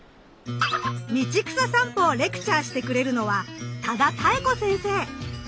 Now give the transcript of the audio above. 道草さんぽをレクチャーしてくれるのは多田多恵子先生。